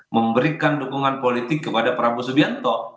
memberikan dukungan politik kepada prabowo subianto